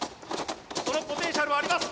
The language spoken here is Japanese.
そのポテンシャルはあります！